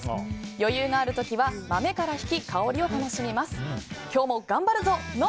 余裕がある時は豆からひき、香りを楽しみます。